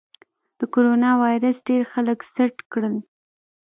د کرونا ویروس ډېر خلک سټ کړل.